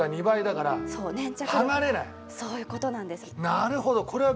そういう事なんです！